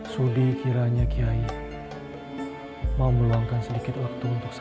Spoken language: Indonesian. sudi kiranya kiai mau meluangkan sedikit waktu untuk saya